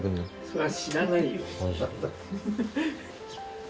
それは知らないよ。